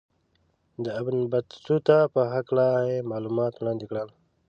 د ابن بطوطه په هکله یې معلومات وړاندې کړل.